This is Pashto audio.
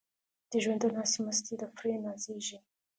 د ژوندون هستي مستي ده پرې نازیږي